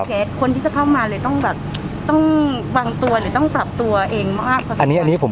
คนที่จะเข้ามาเลยต้องวางตัว